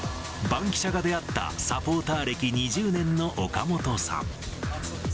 バンキシャが出会ったサポーター歴２０年の岡本さん。